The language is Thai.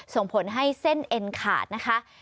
ส่งผลให้เส้นเอ็นขาดนะคะ